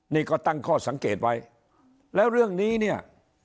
นี่ก็ตั้งข้อสังเกตไว้แล้วเรื่องนี้เนี่ย